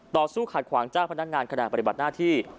ต่อสู้ขัดขวางเจ้าพนักงานขณะปฏิบัติหน้าที่